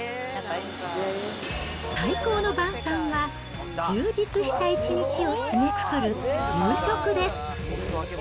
最高の晩さんは、充実した一日を締めくくる夕食です。